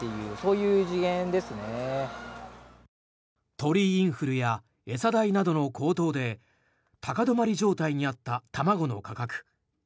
鳥インフルや餌代などの高騰で高止まり状態にあった卵の価格。